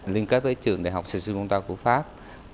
liên kết với trường đại học sài gòn của pháp